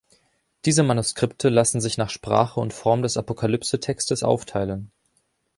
Diese Manuskripte lassen sich nach Sprache und Form des Apokalypse-Textes aufteilen.